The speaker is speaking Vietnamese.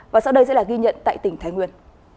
và sau đây sẽ là ghi nhận tại tỉnh thái nguyên